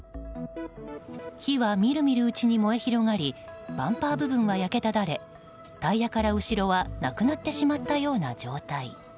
火はみるみるうちに燃え広がりバンパー部分は焼けただれタイヤから後ろはなくなってしまったような状態。